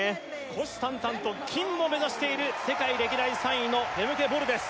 虎視眈々と金も目指している世界歴代３位のフェムケ・ボルです